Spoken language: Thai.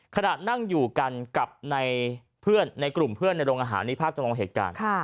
ขณะนั่งอยู่กันกับในเพื่อนในกลุ่มเพื่อนในโรงอาหารนี่ภาพจำลองเหตุการณ์